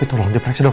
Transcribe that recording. terserah ya tidak